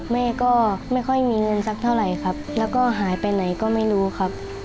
แม่ก็ไม่ค่อยมีเงินสักเท่าไหร่ครับแล้วก็หายไปไหนก็ไม่รู้ครับ